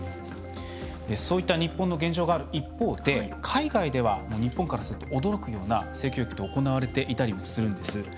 そういった日本の現状がある一方で海外では、日本からすると驚くような性教育って行われていたりもするんです。